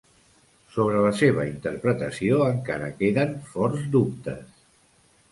Sobre la seva interpretació encara queden forts dubtes.